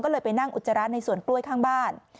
ก็เลยไปนั่งอุจจาระในสวนกล้วยข้างบ้าน